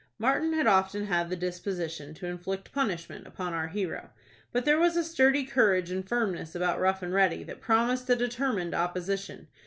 Martin had often had the disposition to inflict punishment upon our hero, but there was a sturdy courage and firmness about Rough and Ready that promised a determined opposition.